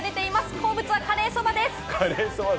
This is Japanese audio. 好物はカレーそばです。